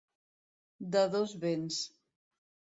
De dos vents.